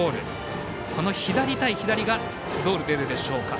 左対左がどう出るでしょうか。